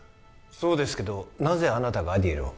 そうですけどなぜあなたがアディエルを？